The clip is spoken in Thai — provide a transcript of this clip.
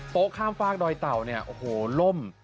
ข้ามฝากดอยเต่าเนี่ยโอ้โหล่ม